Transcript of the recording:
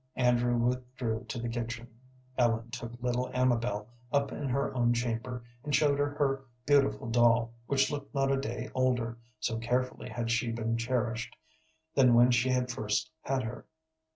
Andrew withdrew to the kitchen. Ellen took little Amabel up in her own chamber and showed her her beautiful doll, which looked not a day older, so carefully had she been cherished, than when she first had her.